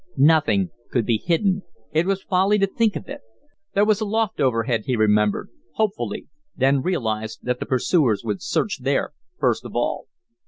Nothing could be hidden; it was folly to think of it. There was a loft overhead, he remembered, hopefully, then realized that the pursuers would search there first of all.